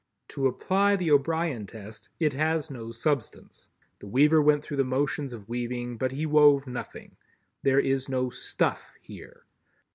To apply the O'Brien test, it has no Substance. The weaver went through the motions of weaving, but he wove nothing. There is no "stuff" here.